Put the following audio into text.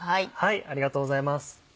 ありがとうございます。